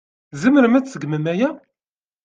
Tzemrem ad tseggmem aya?